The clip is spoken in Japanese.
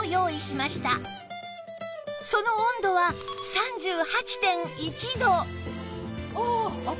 その温度は ３８．１ 度ああ